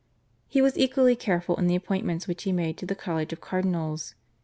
He was equally careful in the appointments which he made to the college of cardinals.